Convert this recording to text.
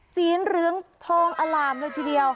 สีเหลืองทองอล่ามเลยทีเดียว